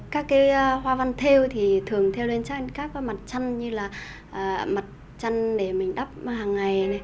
các cái hòa văn theo thì thường theo lên các mặt chân như là mặt chân để mình đắp hàng ngày